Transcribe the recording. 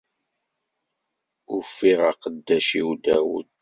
Ufiɣ aqeddac-iw Dawed.